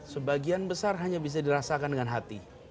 sebagian besar hanya bisa dirasakan dengan hati